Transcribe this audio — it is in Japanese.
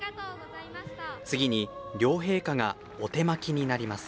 次に、両陛下がお手播きになります。